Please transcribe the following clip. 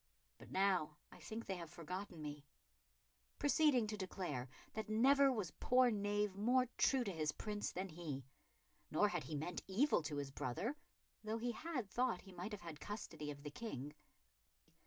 But now I think they have forgotten me," proceeding to declare that never was poor knave more true to his Prince than he; nor had he meant evil to his brother, though he had thought he might have had the custody of the King.